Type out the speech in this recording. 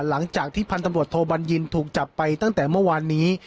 หลังจากที่พันธบรวจโทบัญญินถูกจับไปตั้งแต่เมื่อวานนี้